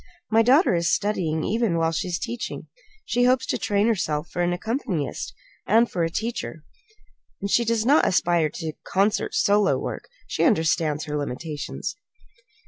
My daughter is studying even while she is teaching. She hopes to train herself for an accompanist, and for a teacher. She does not aspire to concert solo work. She understands her limitations."